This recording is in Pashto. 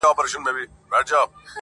چي یې ستا آواز تر غوږ وي رسېدلی!!